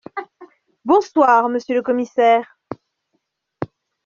Bonsoir, monsieur le Commissaire…